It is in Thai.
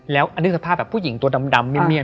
แล้วอาณิสภาพแบบผู้หญิงตัวดำเเมี่ย